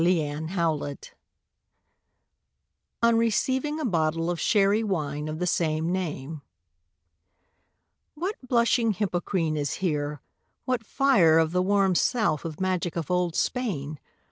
DON QUIXOTE On receiving a bottle of Sherry Wine of the same name What "blushing Hippocrene" is here! what fire Of the "warm South" with magic of old Spain!